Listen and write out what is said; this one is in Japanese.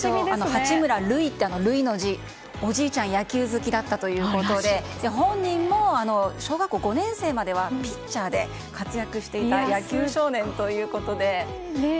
八村塁の「塁」の字はおじいちゃんが野球好きだったということで本人も小学校５年生まではピッチャーで活躍していた野球少年ということで。